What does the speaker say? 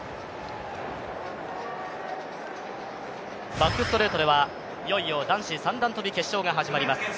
バックストレートではいよいよ男子三段跳の決勝が始まります。